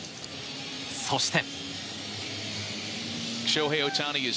そして。